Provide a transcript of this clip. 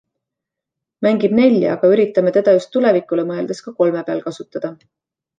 Mängib nelja, aga üritame teda just tulevikule mõeldes ka kolme peal kasutada.